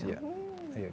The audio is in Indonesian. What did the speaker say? lebih aman ya